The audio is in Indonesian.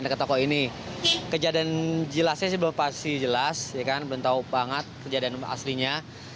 kok ini kejadian jelasnya sih pasti jelas ya kan belum tahu banget kejadian aslinya